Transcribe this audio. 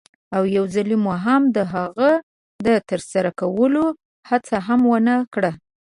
او یوځلې مو هم د هغه د ترسره کولو هڅه هم ونه کړه.